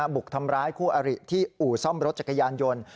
บุกทำร้ายคู่อริที่อู่ซ่อมรถจักรยานยนต์